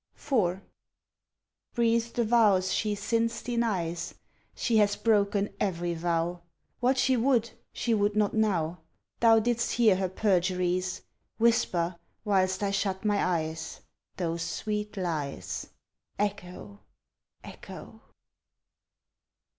IV Breathe the vows she since denies! She hath broken every vow; What she would she would not now Thou didst hear her perjuries. Whisper, whilst I shut my eyes, Those sweet lies, Echo! Echo!